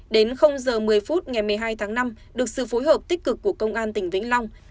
đến giờ một mươi phút ngày một mươi hai tháng năm được sự phối hợp tích cực của công an tỉnh vĩnh long